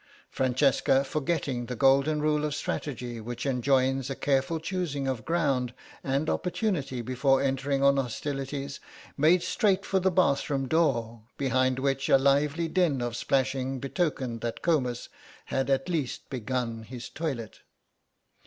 Francesca, forgetting the golden rule of strategy which enjoins a careful choosing of ground and opportunity before entering on hostilities, made straight for the bathroom door, behind which a lively din of splashing betokened that Comus had at least begun his toilet.